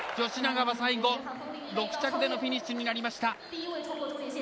吉永は最後６着でのフィニッシュになりました。